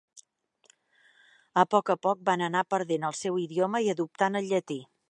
A poc a poc van anar perdent el seu idioma i adoptant el llatí.